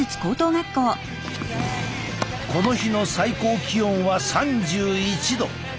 この日の最高気温は３１度。